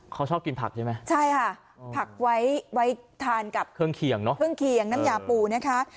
เขาชอบกินผักใช่ไหมใช่ค่ะผักไว้ทานกับเครื่องเคียงน้ำยาปูนะคะ